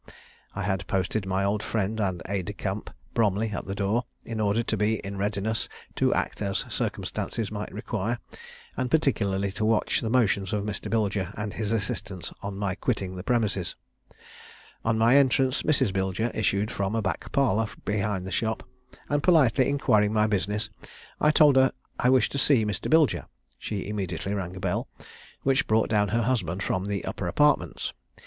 I had posted my old friend and aid de camp, Bromley, at the door, in order to be in readiness to act as circumstances might require, and particularly to watch the motions of Mr. Bilger and his assistants on my quitting the premises. On my entrance Mrs. Bilger issued from a back parlour behind the shop, and, politely inquiring my business, I told her I wished to see Mr. Bilger; she immediately rang a bell, which brought down her husband from the upper apartments.